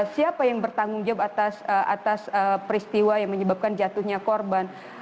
siapa yang bertanggung jawab atas peristiwa yang menyebabkan jatuhnya korban